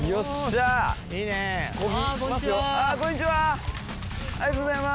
ありがとうございます。